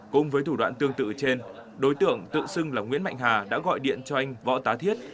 cũng với thủ đoạn tương tự trên đối tượng tự xưng là nguyễn mạnh hà đã gọi điện cho anh võ tá thiết